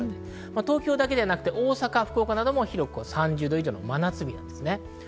東京だけでなく大阪、福岡も３０度以上の真夏日です。